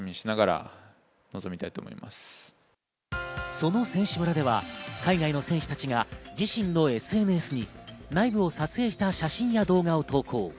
その選手村では、海外の選手たちが自身のＳＮＳに内部を撮影した写真や動画を投稿。